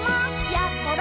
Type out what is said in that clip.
「やころ」